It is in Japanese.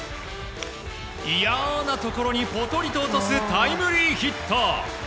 いやなところに、ポトリと落とすタイムリーヒット。